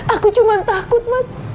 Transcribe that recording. aku cuma takut mas